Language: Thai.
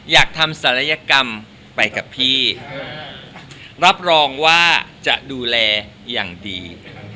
อยากทำศัลยกรรมไปกับพี่รับรองว่าจะดูแลอย่างดี